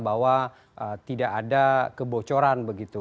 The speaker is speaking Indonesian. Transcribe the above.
bahwa tidak ada kebocoran begitu